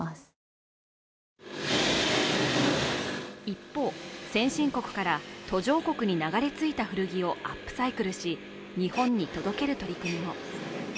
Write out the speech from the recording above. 一方、先進国から途上国に流れ着いた古着をアップサイクルし、日本に届ける取り組みも。